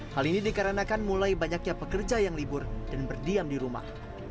hal ini dikarenakan mulai banyaknya pekerja yang libur dan berdiam di rumah